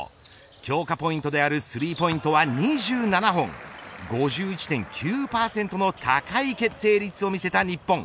強化ポイントであるスリーポイントは２７本５１．９％の高い決定率を見せた日本。